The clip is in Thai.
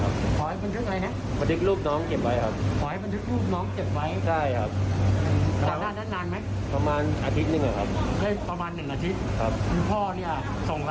เรื่องอาทิตย์นึงครับใบประมาณ๑อาทิตย์พี่พ่อเนี่ยส่งแบบแล้วให้ขยับลูกน้องครับ